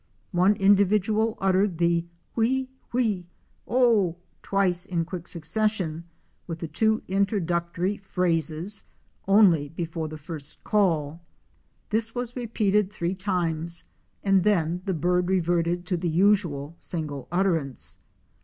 One individual uttered the wheé! wheé! of twice in quick succession with the two introductory phrases (vide page 189) only before the first call. This was repeated three times and then the bird reverted to the usual single utterance.